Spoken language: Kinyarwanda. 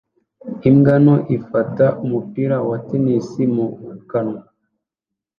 imbwa nto ifata umupira wa tennis mu kanwa